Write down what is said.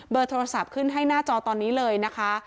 โทรศัพท์ขึ้นให้หน้าจอตอนนี้เลยนะคะ